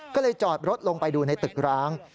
ก็เลยจอดรถลงไปดูในตึกร้าง